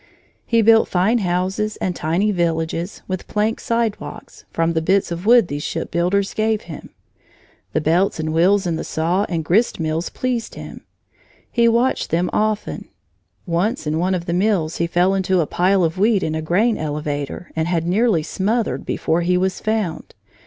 He built fine houses and tiny villages, with plank sidewalks, from the bits of wood these ship builders gave him. The belts and wheels in the saw and grist mills pleased him. He watched them often. Once, in one of the mills, he fell into a pile of wheat in a grain elevator and had nearly smothered before he was found.